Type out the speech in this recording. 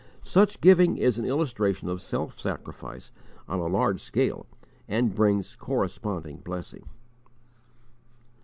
_ Such giving is an illustration of self sacrifice on a large scale, and brings corresponding blessing.